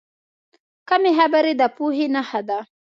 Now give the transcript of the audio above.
کمې خبرې، د پوهې نښه ده.